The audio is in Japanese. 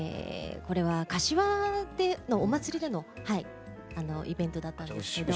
これは柏でのお祭りでのはいイベントだったんですけど。